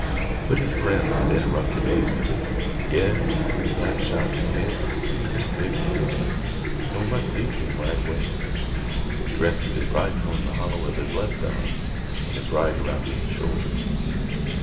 But his friend had interrupted hastily. "Yes, an' he got shot in th' head an' he's in a fix, an' we must see t' him right away." He rested his rifle in the hollow of his left arm and his right around the youth's shoulder.